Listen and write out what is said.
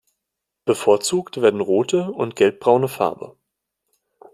Bevorzugt werden rote und gelbbraune Farbe.